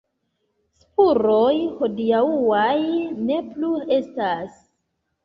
Spuroj hodiaŭaj ne plu estas.